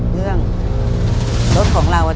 เรื่องรถของเราอะจ๊ะ